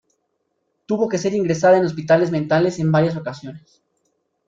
Tuvo que ser ingresada en hospitales mentales en varias ocasiones.